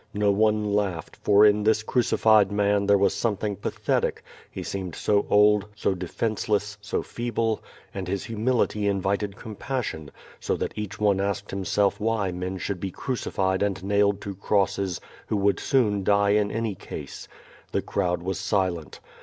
No one laughed, for in this crucified man there was something pathetic, he seemed so old, so defenceless, so feeble, and his humility invited compassion, so that each one asked himself why men should be crucified and nailed to crosses, who would soon die in any case. The crowd was silent.